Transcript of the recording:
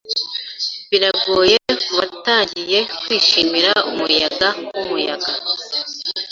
Biragoye kubatangiye kwishimira umuyaga wumuyaga.